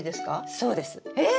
そうです。えっ！